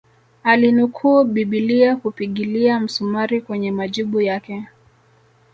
Alinukuu bibilia kupigilia msumari kwenye majibu yake